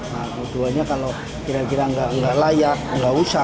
nah keduanya kalau kira kira nggak layak nggak usah